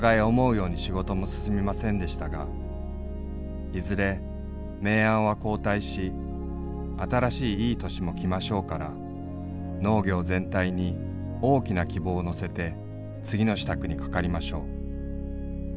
やうに仕事も進みませんでしたがいづれ明暗は交替し新らしいいヽ歳も来ませうから農業全体に巨きな希望を載せて次の支度にかかりませう。